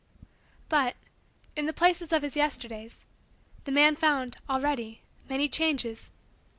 But, in the places of his Yesterdays, the man found, already, many changes.